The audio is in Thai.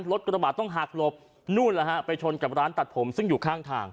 รถกระบะต้องหักหลบไปชนกับร้านตัดผมซึ่งอยู่ข้างทาง